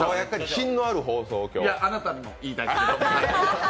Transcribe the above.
あなたにも言いたいです。